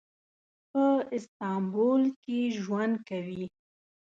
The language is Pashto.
په استانبول کې ژوند کوي.